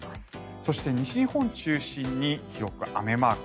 そして、西日本中心に広く雨マーク。